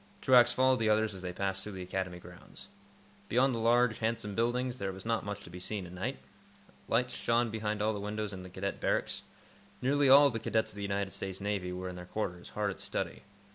Truax followed the others as they passed through the Academy grounds. Beyond the large, handsome buildings, there was not much to be seen at night. Lights shone behind all the windows in Cadet Barracks. Nearly all of the cadets of the United States Navy were in their quarters, hard at study.